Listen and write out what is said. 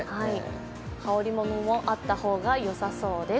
羽織りものもあった方がよさそうです。